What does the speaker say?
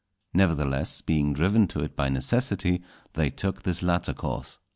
Nevertheless, being driven to it by necessity, they took this latter course.